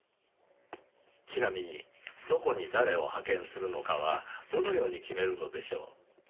ちなみにどこに誰を派遣するのかはどのように決めるのでしょう？